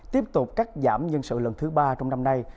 tiếp tục cắt giảm nhân sự lần thứ ba trong năm nay